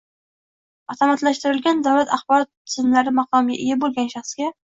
avtomatlashtirilgan davlat axborot tizimlari maqomiga ega bo‘lgan shaxsga